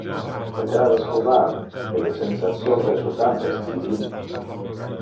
Peccar es human e le sensation resultante es divin.